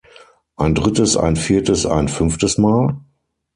Ein drittes, ein viertes, ein fünftes Mal?